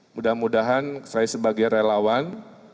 mudah mudahan saya sebagai relawan